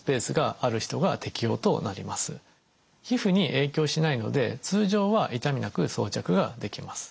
皮膚に影響しないので通常は痛みなく装着ができます。